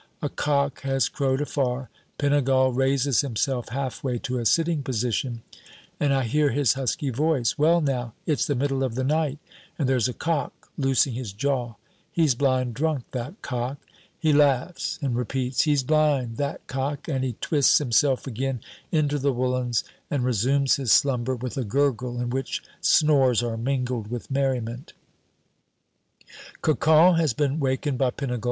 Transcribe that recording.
A cock has crowed afar. Pinegal raises himself halfway to a sitting position, and I hear his husky voice: "Well now, it's the middle of the night, and there's a cock loosing his jaw. He's blind drunk, that cock." He laughs, and repeats, "He's blind, that cock," and he twists himself again into the woolens, and resumes his slumber with a gurgle in which snores are mingled with merriment. Cocon has been wakened by Pinegal.